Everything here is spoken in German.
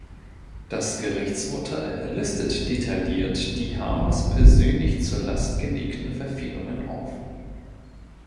Das Gerichtsurteil listet detailliert die Hamers persönlich zur Last gelegten Verfehlungen auf.